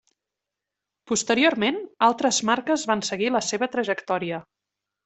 Posteriorment, altres marques van seguir la seva trajectòria.